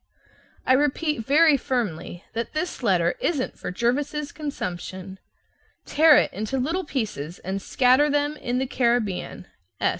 I repeat very firmly that this letter isn't for Jervis's consumption. Tear it into little pieces and scatter them in the Caribbean.